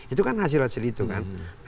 itu kan hasil hasil itu kan